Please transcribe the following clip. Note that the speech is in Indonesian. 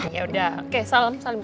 yaudah oke salam